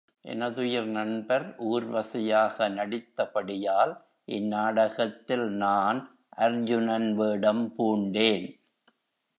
எனதுயிர் நண்பர் ஊர்வசியாக நடித்தபடியால், இந்நாடகத்தில் நான் அர்ஜுனன் வேடம் பூண்டேன்.